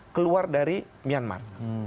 keluar dari myanmar